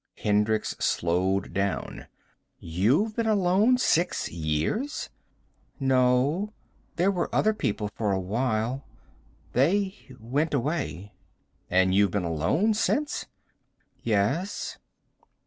Hendricks slowed down. "You've been alone six years?" "No. There were other people for awhile. They went away." "And you've been alone since?" "Yes."